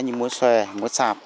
những múa xòe múa sạp